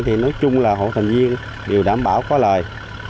thì nói chung là hộ thành viên đều đảm bảo có lời